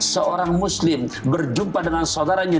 seorang muslim berjumpa dengan saudaranya